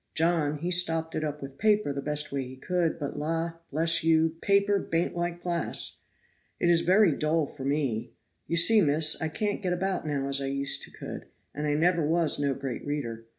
John, he stopped it up with paper the best way he could, but la, bless you, paper baint like glass. It is very dull for me. You see, miss, I can't get about now as I used to could, and I never was no great reader.